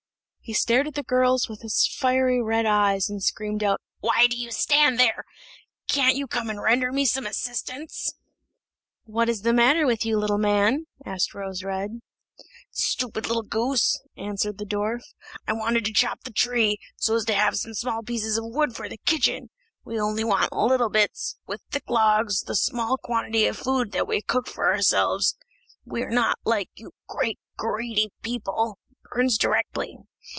He stared at the girls with his fiery red eyes, and screamed out, "Why do you stand there! Can't you come and render me some assistance?" "What is the matter with you, little man?" asked Rose red. "Stupid little goose!" answered the dwarf; "I wanted to chop the tree, so as to have some small pieces of wood for the kitchen; we only want little bits; with thick logs, the small quantity of food that we cook for ourselves we are not, like you, great greedy people burns directly.